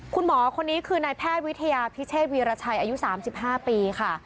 คุณหมอคนนี้คือนายแพทย์วิทยาพิเชษวีรชัยอายุ๓๕ปีค่ะ